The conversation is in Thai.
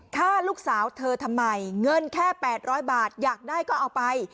ฆ่าลูกสาวเธอทำไมเงินแค่๘๐๐บาทอยากได้ก็เอาไป